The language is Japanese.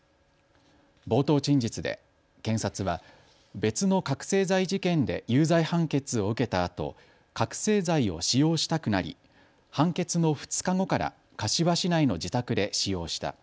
冒頭陳述で検察は別の覚醒剤事件で有罪判決を受けたあと、覚醒剤を使用したくなり判決の２日後から柏市内の自宅で使用した。